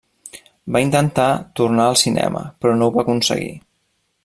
Va intentar tornar al cinema però no ho va aconseguir.